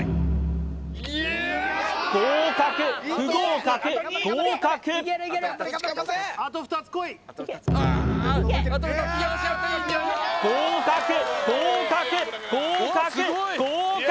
合格不合格合格合格合格合格合格！